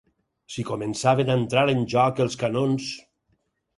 Si començaven a entrar en joc els canons...